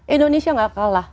indonesia gak kalah